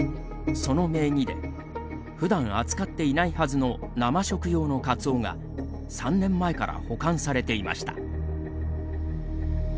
その名義でふだん扱っていないはずの生食用のカツオが３年前から保管されていました。